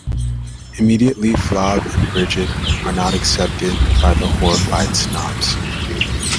Immediately Flav and Brigitte are not accepted by the horrified snobs.